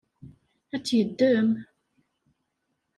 Ad tt-yeddem?